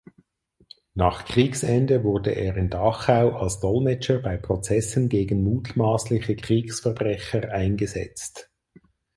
Nach Kriegsende wurde er in Dachau als Dolmetscher bei Prozessen gegen mutmaßliche Kriegsverbrecher eingesetzt.